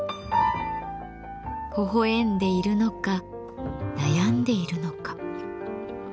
ほほえんでいるのか悩んでいるのか。